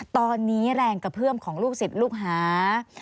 ตอนนี้แรงกระเพื่อมของลูกศิษย์ลูกหา